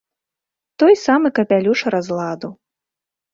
Той самы капялюш разладу.